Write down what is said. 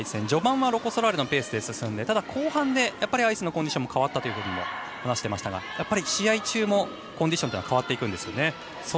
序盤はロコ・ソラーレのペースで進んでただ後半で、やっぱりアイスのコンディションも変わったと話していましたが試合中もコンディションは変わっていくんですよね。